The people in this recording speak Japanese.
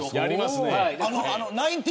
ナインティ